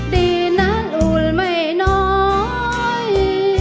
ดินนั้นอุ่นไม่น้อย